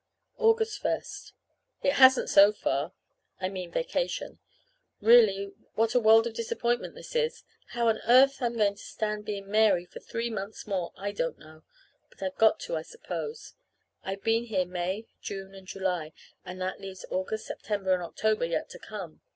August first. It hasn't, so far I mean vacation. Really, what a world of disappointment this is! How on earth I'm going to stand being Mary for three months more I don't know. But I've got to, I suppose. I've been here May, June, and July; and that leaves August, September, and October yet to come.